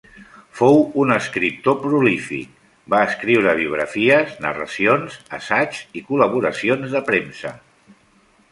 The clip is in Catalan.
Fou un escriptor prolífic: va escriure biografies, narracions, assaigs i col·laboracions de premsa.